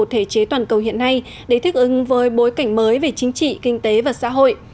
thể chế toàn cầu hiện nay để thích ứng với bối cảnh mới về chính trị kinh tế và xã hội